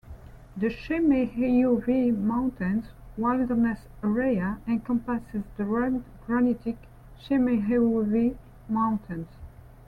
The Chemehuevi Mountains Wilderness Area encompasses the rugged, granitic Chemehuevi Mountains.